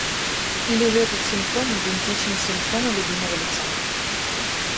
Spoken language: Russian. Или же этот симптом идентичен симптому любимого лица.